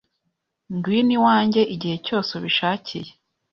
Ngwino iwanjye igihe cyose ubishakiye.